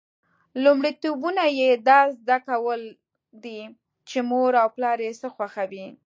لومړیتوبونه یې دا زده کول دي چې مور او پلار څه خوښوي.